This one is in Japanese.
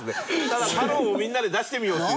ただ「太郎」をみんなで出してみようって。